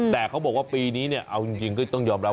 แต่เขาบอกว่าปีนี้เนี่ยเอาจริงก็ต้องยอมรับ